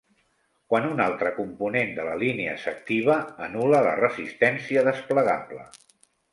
Quan un altre component de la línia s'activa, anul·la la resistència desplegable.